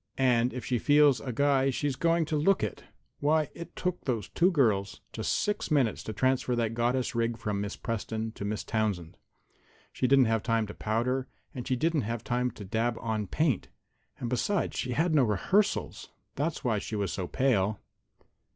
And if she feels a guy, she's going to look it. Why, it took those two girls just six minutes to transfer that goddess rig from Miss Preston to Miss Townsend. She didn't have time to powder, and she didn't have time to dab on paint, and, besides, she had had no rehearsals. That's why she was so pale."